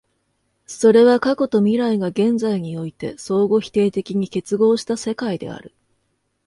それは過去と未来が現在において相互否定的に結合した世界である。